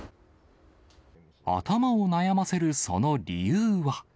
頭の悩ませるその理由は。